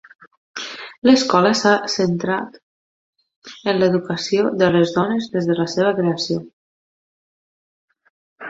L'escola s'ha centrar en l'educació de les dones des de la seva creació.